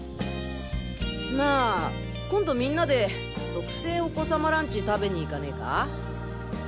なあ今度みんなで「特製お子さまランチ」食べにいかねぇか？